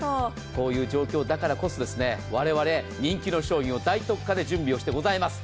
こういう状況だからこそ我々人気の商品を大特価で準備しております。